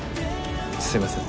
すいません。